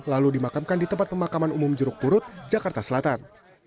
lalu dimakamkan di tempat pemakaman umum jeruk purut jakarta selatan